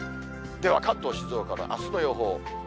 では、関東、静岡のあすの予報。